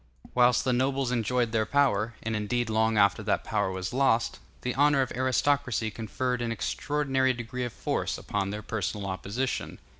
Whilst the nobles enjoyed their power, and indeed long after that power was lost, the honor of aristocracy conferred an extraordinary degree of force upon their personal opposition.